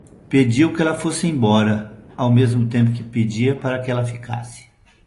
Pediu que ele fosse embora, ao mesmo tempo que pedia para que ele ficasse.